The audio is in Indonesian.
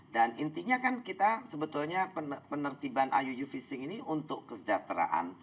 dan intinya kan kita sebetulnya penertiban iuu fishing ini untuk kesejahteraan